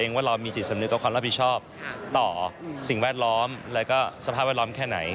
ว่าเรามีจิตสำนึกกับความรับผิดชอบต่อสิ่งแวดล้อมแล้วก็สภาพแวดล้อมแค่ไหน